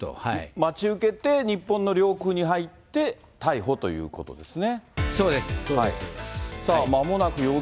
待ち受けて、日本の領空に入って、逮捕ということですね。